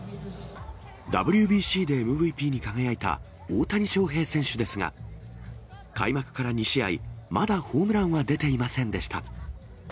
ＷＢＣでＭＶＰに輝いた大谷翔平選手ですが、開幕から２試合、まだホームランは出ていませんでした。